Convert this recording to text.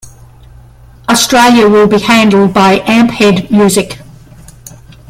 Australia will be handled by AmpHead Music.